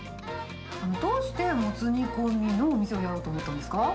どうしてもつ煮込みのお店をやろうと思ったんですか？